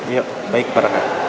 ya baik pak raka